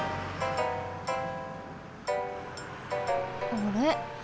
あれ？